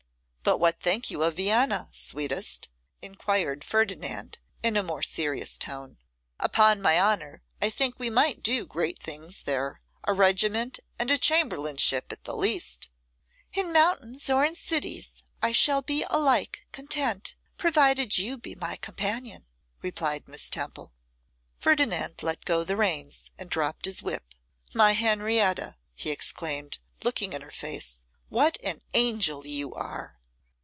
'But what think you of Vienna, sweetest?' enquired Ferdinand in a more serious tone; 'upon my honour, I think we might do great things there. A regiment and a chamberlainship at the least!' 'In mountains or in cities I shall be alike content, provided you be my companion,' replied Miss Temple. Ferdinand let go the reins, and dropped his whip. 'My Henrietta,' he exclaimed, looking in her face, 'what an angel you are!